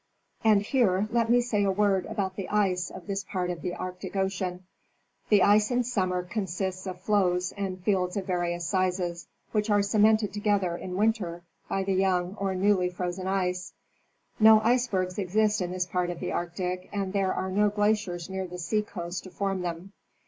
And here let me say a word about the ice of this part of the Arctic ocean. The ice in summer consists of floes and fields of various sizes, which are cemented together in winter by the young or newly frozen ice. No icebergs exist in this part of the Arctic, as there are no glaciers near the sea coast to form them.